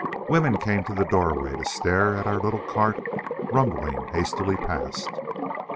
Women came to the doorways to stare at our little cart rumbling hastily past.